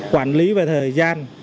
quản lý về thời gian